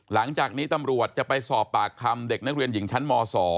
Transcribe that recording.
หลังจากนี้ตำรวจจะไปสอบปากคำเด็กนักเรียนหญิงชั้นม๒